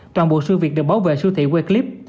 toàn bộ sư việt được bảo vệ siêu thị quay clip